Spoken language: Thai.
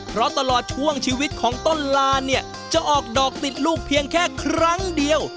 เพราะตลอดช่วงชีวิตของต้นลานเนี่ยจะออกดอกติดลูกเพียงแค่ครั้งเดียว